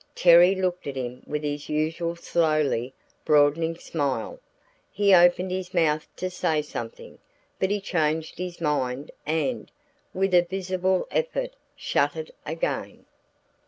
Terry looked at him with his usual slowly broadening smile. He opened his mouth to say something, but he changed his mind and with a visible effort shut it again.